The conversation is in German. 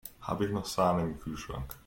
Habe ich noch Sahne im Kühlschrank?